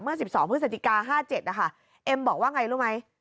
เมื่อสิบสองพฤษฏิกาห้าเจ็ดอ่ะค่ะเอ็มบอกว่าไงรู้ไหม